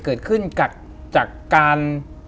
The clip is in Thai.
เกิดขึ้นจากการ